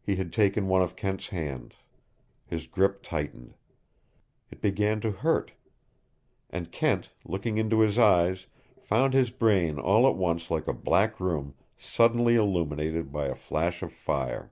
He had taken one of Kent's hands. His grip tightened. It began to hurt. And Kent, looking into his eyes, found his brain all at once like a black room suddenly illuminated by a flash of fire.